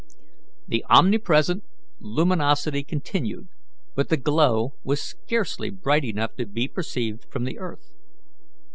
The omnipresent luminosity continued, but the glow was scarcely bright enough to be perceived from the earth.